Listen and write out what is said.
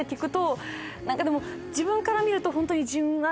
何かでも自分から見るとホントに。